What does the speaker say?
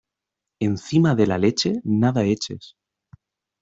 Encima de la leche, nada eches.